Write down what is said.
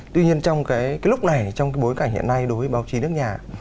tuy nhiên trong lúc này trong bối cảnh hiện nay đối với báo chí nước nhà